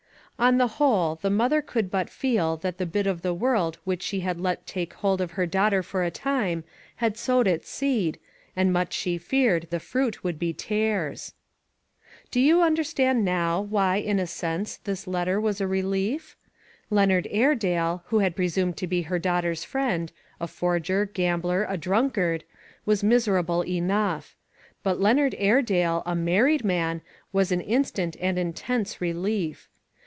On the whole, the mother could but feel that the bit of the world which she had let take hold of her daughter for a time, had sowed its seed, and much she feared the fruit would be tares. Do you understand, now, why, in a sense, this letter was a t relief? Leonard Airedale — who had presumed to be liar daughter's friend — a forger, a gambler, a drunkard, 406 ONE COMMONPLACE DAY. was miserable enough. But Leonard Aire dale a married man was an instant and in tense relief.